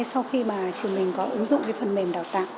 sau khi mà trường mình có ứng dụng cái phần mềm đào tạo